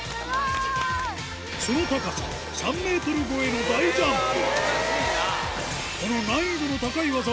その高さ３ｍ超えの大ジャンプ